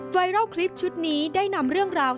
ไวรัลคลิปชุดนี้ได้นำเรื่องราว